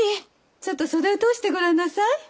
ちょっと袖を通してごらんなさい。